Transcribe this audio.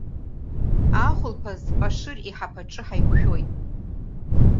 Ахәылԥаз Пашыр иҳаԥаҿы ҳаиқәшәоит.